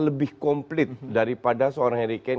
lebih komplit daripada seorang harry kane